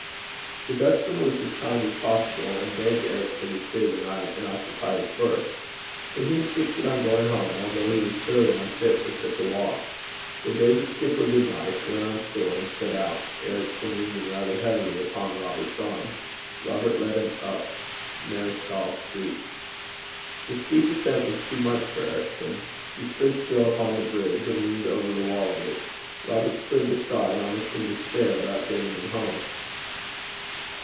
The Dutchman was as kind as possible, and begged Ericson to stay the night and occupy his berth. But he insisted on going home, although he was clearly unfit for such a walk. They bade the skipper good night, went on shore, and set out, Ericson leaning rather heavily upon Robert's arm. Robert led him up Marischal Street. The steep ascent was too much for Ericson. He stood still upon the bridge and leaned over the wall of it. Robert stood beside, almost in despair about getting him home.